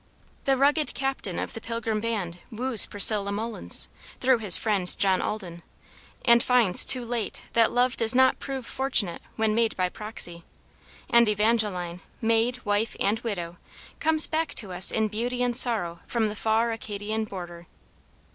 The rugged captain of the Pilgrim band wooes Priscilla Mullins, through his friend John Alden, and finds too late that love does not prove fortunate when made by proxy; and Evangeline, maid, wife and widow comes back to us in beauty and sorrow from the far Acadian border.